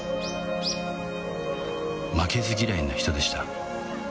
負けず嫌いな人でした